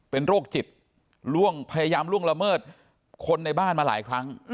เป็นโรคจิตพยายามล่วงละเมิดคนในบ้านมาหลายครั้ง